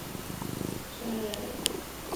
毛马齿苋是马齿苋科马齿苋属的植物。